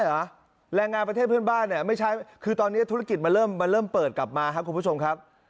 รายงานประเทศเพื่อนบ้านคือตอนนี้ธุรกิจมันเริ่มเปิดกลับมาครับคุณผู้ชมครับ